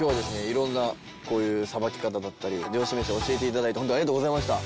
色んなこういうさばき方だったり漁師めし教えて頂いて本当にありがとうございました。